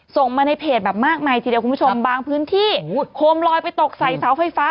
ส่งมาในเพจแบบมากมายทีเดียวคุณผู้ชมบางพื้นที่โคมลอยไปตกใส่เสาไฟฟ้า